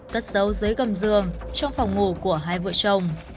cất dấu dưới gầm giường trong phòng ngủ của hai vợ chồng